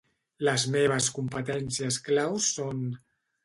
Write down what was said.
Les meves competències claus són...